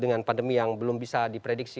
dengan pandemi yang belum bisa diprediksi